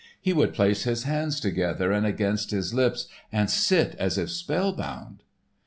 "He would place his hands together and against his lips and sit as if spellbound."